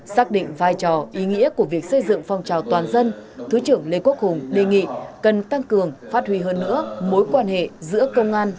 xác định vai trò ý nghĩa của việc xây dựng phong trào toàn dân thứ trưởng lê quốc hùng đề nghị cần tăng cường phát huy hơn nữa mối quan hệ giữa công an